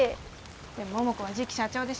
でも桃子は次期社長でしょ？